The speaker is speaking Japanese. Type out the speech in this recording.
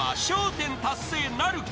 １０達成なるか？］